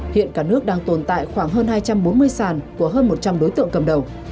hiện cả nước đang tồn tại khoảng hơn hai trăm bốn mươi sàn của hơn một trăm linh đối tượng cầm đầu